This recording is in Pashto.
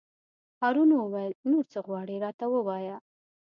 هارون وویل: نور څه غواړې راته ووایه.